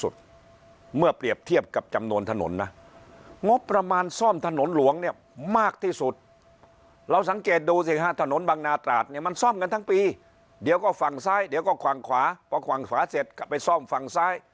เดี๋ยวก็ฝั่งซ้ายเดี๋ยวก็ขวางขวาเพราะขวางขวาเสร็จกลับไปซ่อมฝั่งซ้าย